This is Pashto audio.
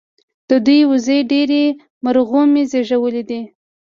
د دوي وزې درې مرغومي زيږولي دي